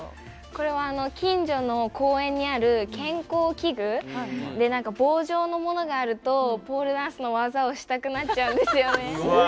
これは近所の公園にある健康器具で、棒状のものがあるとポールダンスの技をしたくなっちゃうんですよね。